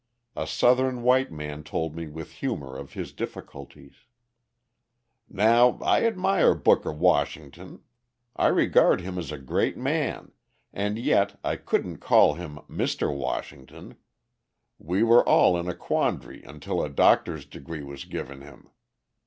A Southern white man told me with humour of his difficulties: "Now I admire Booker Washington. I regard him as a great man, and yet I couldn't call him Mr. Washington. We were all in a quandary until a doctor's degree was given him.